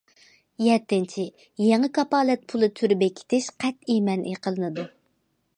يەتتىنچى، يېڭى كاپالەت پۇلى تۈرى بېكىتىش قەتئىي مەنئى قىلىنىدۇ.